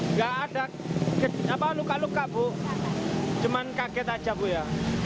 nggak ada luka luka bu cuman kaget aja bu ya